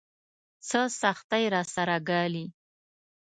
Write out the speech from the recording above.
څه سختۍ راسره ګالي.